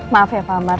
maaf ya pak amar